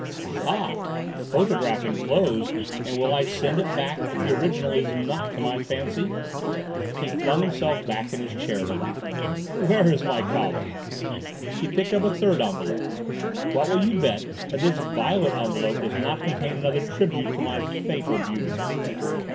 "Ah ha! Photograph enclosed, and will I send it back if the original is not to my fancy!" He flung himself back in his chair to laugh. "Where is my collar?" He picked up a third envelope. "What will you bet that this violet envelope does not contain another tribute to my fatal beauty?"